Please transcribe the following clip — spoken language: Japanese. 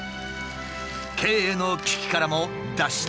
経営の危機からも脱した。